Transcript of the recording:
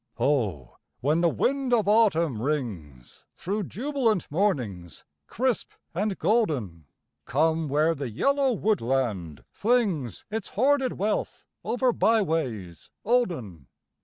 Ho, when the wind of autumn rings Through jubilant mornings crisp and golden, Come where the yellow woodland flings Its hoarded wealth over by ways olden.